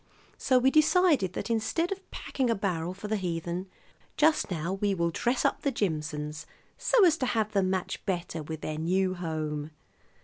So we decided that instead of packing a barrel for the heathen just now we will dress up the Jimson's, so as to have them match better with their new home.